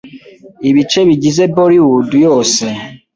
ibice bigize Bollywood yose